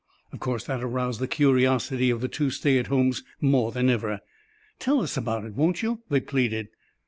Of course that aroused the curiosity of the two stay at homes more than ever. "Tell us about it, won't you?" they pleaded.